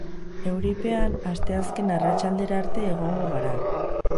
Euripean asteazken arratsaldera arte egongo gara.